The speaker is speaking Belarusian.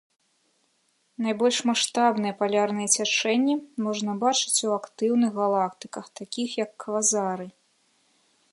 Найбольш маштабныя палярныя цячэнні можна бачыць у актыўных галактыках, такіх як квазары.